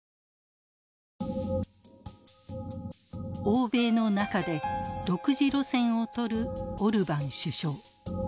欧米の中で独自路線をとるオルバン首相。